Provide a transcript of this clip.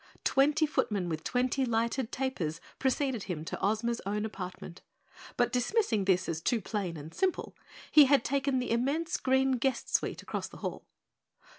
Twenty footmen with twenty lighted tapers preceded him to Ozma's own apartment, but dismissing this as too plain and simple, he had taken the immense green guest suite across the hall.